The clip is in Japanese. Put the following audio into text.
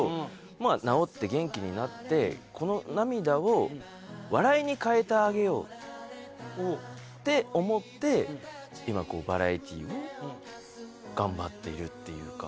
まぁ治って元気になってこの涙を笑いに変えてあげようって思って今バラエティーを頑張っているっていうか。